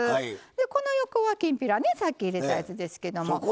この横は、きんぴらでさっき入れたやつですけど。